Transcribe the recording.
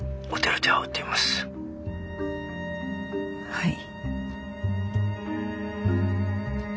はい。